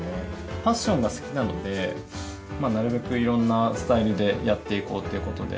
ファッションが好きなのでなるべくいろんなスタイルでやっていこうということで。